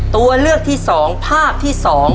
ตัวเลือกที่๒ภาพที่๒